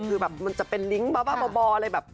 คือแบบมันจะเป็นลิงก์บ้าอะไรแบบ